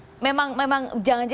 apakah memang memang jangan jauh jauh